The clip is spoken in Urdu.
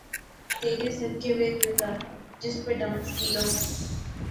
''تیرے صدقے وے دلدارا‘‘ جس پہ ڈانس نیلو کا ہے۔